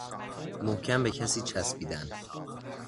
محکم به کسی چسبیدن